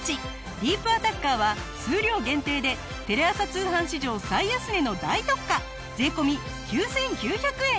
ディープアタッカーは数量限定でテレ朝通販史上最安値の大特価税込９９００円！